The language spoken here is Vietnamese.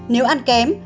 nếu ăn kém